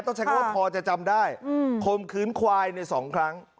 ใช้คำว่าพอจะจำได้คมคืนควายในสองครั้ง